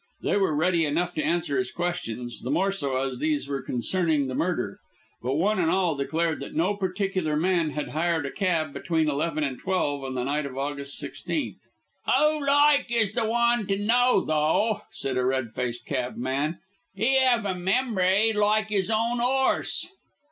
They were ready enough to answer his questions, the more so as these were concerning the murder; but one and all declared that no particular man had hired a cab between eleven and twelve on the night of August 16th. "Old Ike is the one to know, though," said a red faced cabman. "He 'ave a memory like 'is own 'orse."